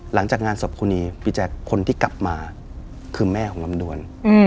หลังจากงานศพครูนีพี่แจ๊คคนที่กลับมาคือแม่ของลำดวน